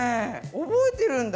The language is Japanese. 覚えてるんだ。